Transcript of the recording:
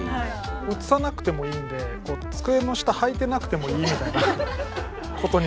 映さなくてもいいので机の下はいてなくてもいいみたいなことにしてもらえると。